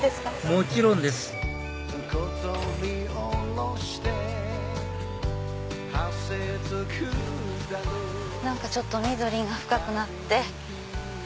もちろんです何かちょっと緑が深くなって。